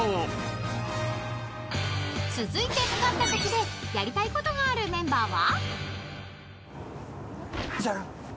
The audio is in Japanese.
［続いて向かった先でやりたいことがあるメンバーは？］